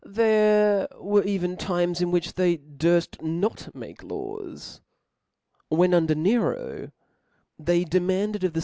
There were even times in which they durfl: not make laws. When under Nero () they demanded of the